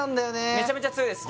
めちゃめちゃ強いです